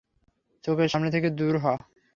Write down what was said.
চোখের সামনে থেকে দূর হও!